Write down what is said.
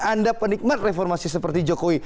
anda penikmat reformasi seperti jokowi